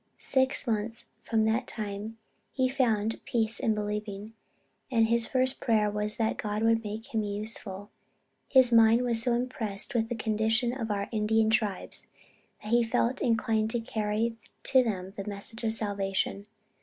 Six months from that time he found peace in believing, and his first prayer was that God would make him useful. His mind was so impressed with the condition of our Indian tribes, that he felt inclined to carry to them the message of salvation.